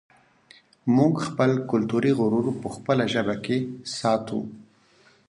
موږ خپل کلتوري غرور په خپله ژبه کې ساتو.